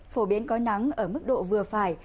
phổ biến có nắng ở mức độ vừa phải